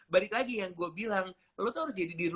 balik lagi yang gue bilang lo tuh harus jadi diri